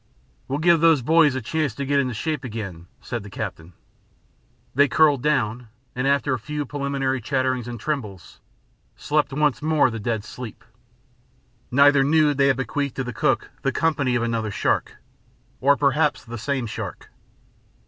"We'll give those boys a chance to get into shape again," said the captain. They curled down and, after a few preliminary chatterings and trembles, slept once more the dead sleep. Neither knew they had bequeathed to the cook the company of another shark, or perhaps the same shark.